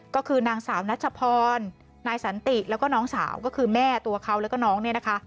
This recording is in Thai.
ก็คือนางสาวนัชพรนายสันติแล้วก็น้องสาวก็คือแม่ตัวเขาแล้วก็น้องเนี่ยนะคะ